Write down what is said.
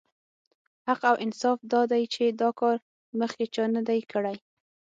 حق او انصاف دا دی چې دا کار مخکې چا نه دی کړی.